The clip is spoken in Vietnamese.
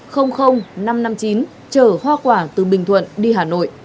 phương tiện mang biển kiểm soát năm trăm năm mươi chín chở hoa quả từ bình thuận đi hà nội